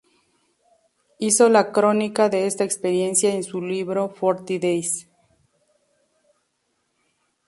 Hizo la crónica de esta experiencia en su libro "Forty Days".